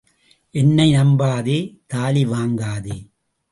என்னை நம்பாதே, தாலி வாங்காதே.